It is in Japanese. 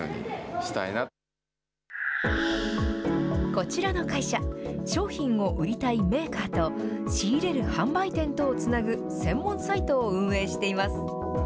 こちらの会社、商品を売りたいメーカーと、仕入れる販売店とをつなぐ専門サイトを運営しています。